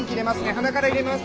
鼻から入れます。